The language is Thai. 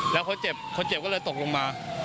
แล้วเขาเจ็บคนเจ็บก็เลยตกลงมา